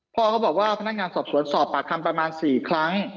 พ่อเขาบอกว่าพนักงานสอบสวนสอบปากคำประมาณ๔ครั้ง